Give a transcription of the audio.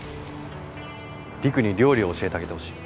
りくに料理を教えてあげてほしい。